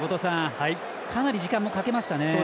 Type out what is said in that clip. かなり時間もかけましたね。